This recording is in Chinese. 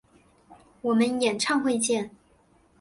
我们演唱会见！